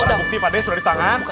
udah bukti pak pade sudah di tangan